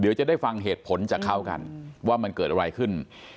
เดี๋ยวจะได้ฟังเหตุผลจากเขากันว่ามันเกิดอะไรขึ้น